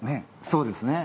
そうですね。